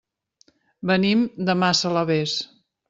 Venim de Massalavés.